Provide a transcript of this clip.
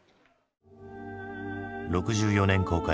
６４年公開